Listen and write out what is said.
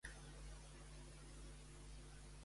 Què s'havia de dur a terme primer?